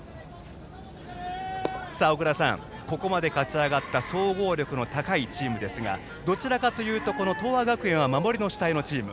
小倉さん、ここまで勝ち上がった総合力の高いチームですがどちらかというと東亜学園は守り主体のチーム。